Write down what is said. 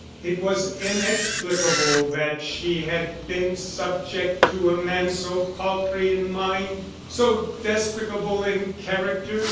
It was inexplicable that she had been subject to a man so paltry in mind, so despicable in character.